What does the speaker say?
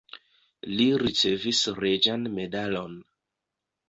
Li ricevis reĝan medalon.